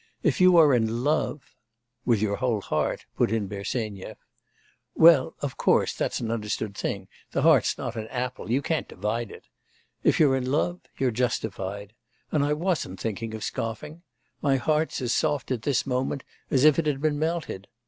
If you are in love ' 'With your whole heart,' put in Bersenyev. 'Well, of course, that's an understood thing; the heart's not an apple; you can't divide it. If you're in love, you're justified. And I wasn't thinking of scoffing. My heart's as soft at this moment as if it had been melted....